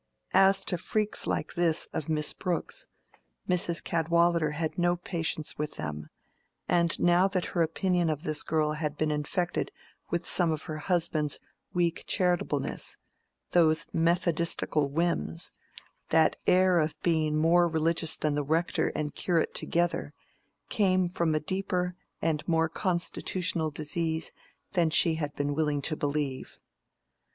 As to freaks like this of Miss Brooke's, Mrs. Cadwallader had no patience with them, and now saw that her opinion of this girl had been infected with some of her husband's weak charitableness: those Methodistical whims, that air of being more religious than the rector and curate together, came from a deeper and more constitutional disease than she had been willing to believe.